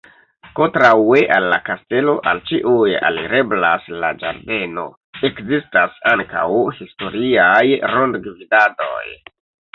Kontraŭe al la kastelo al ĉiuj alireblas la ĝardeno; ekzistas ankaŭ historiaj rondgivdadoj.